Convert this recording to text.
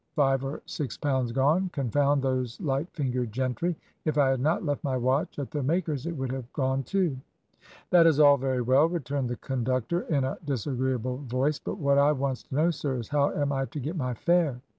Five or six pounds gone. Confound those light fingered gentry! If I had not left my watch at the maker's it would have gone, too.' "'That is all very well,' returned the conductor, in a disagreeable voice, 'but what I wants to know, sir, is how am I to get my fare?'